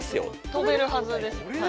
飛べるはずです。